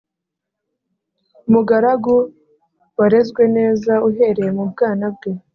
umugaragu warezwe neza uhereye mu bwana bwe,